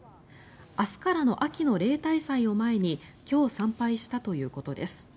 明日からの秋の例大祭を前に今日、参拝したということです。